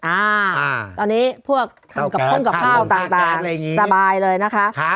อ่าตอนนี้พวกทำกับพ่นกับข้าวต่างสบายเลยนะคะ